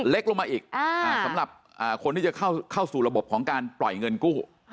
เล็กลงมาอีกสำหรับคนที่จะเข้าสู่ระบบของการปล่อยเงินกู้